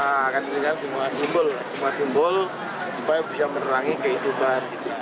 ini kan semua simbol semua simbol supaya bisa menerangi kehidupan